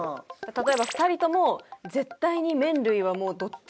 例えば２人とも絶対に麺類はもうどっちも。